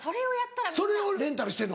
それをレンタルしてんの？